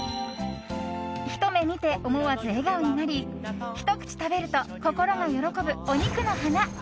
ひと目見て思わず笑顔になりひと口食べると心が喜ぶお肉の花。